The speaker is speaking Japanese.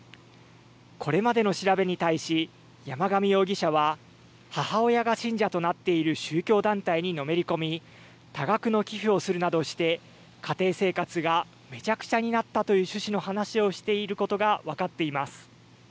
これまでの調べに対し、山上容疑者は、母親が信者となっている宗教団体にのめり込み、多額の寄付をするなどして家庭生活がめちゃくちゃになったという趣旨の話をしていることが分かっています。